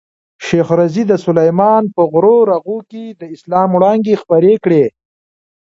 شېخ رضي د سلېمان په غرو رغو کښي د اسلام وړانګي خپرې کړي دي.